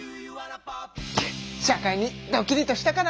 社会にドキリとしたかな？